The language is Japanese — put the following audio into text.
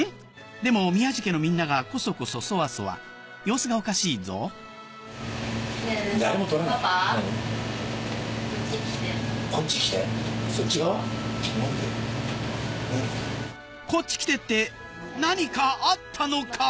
でも宮治家のみんながこそこそそわそわ様子がおかしいぞこっち来てって何かあったのか？